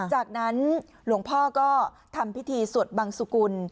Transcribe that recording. จากนั้นหลวงพ่อก็ทำพิธีสวดบังสุกุล